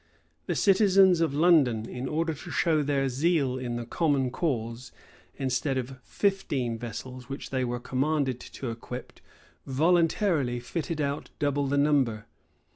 The citizens of London, in order to show their zeal in the common cause, instead of fifteen vessels, which they were commanded to equip, voluntarily fitted out double the number.